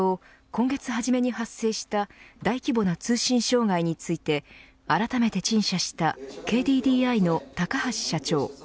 今月初めに発生した大規模な通信障害についてあらためて陳謝したＫＤＤＩの高橋社長。